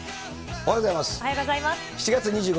おはようございます。